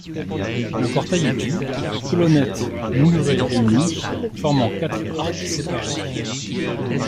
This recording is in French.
Le portail est du avec colonnettes moulurées réunies, formant quatre arcs séparés.